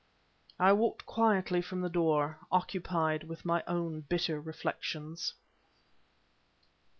I walked quietly from the room, occupied with my own bitter reflections.